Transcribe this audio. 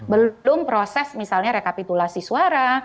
belum proses misalnya rekapitulasi suara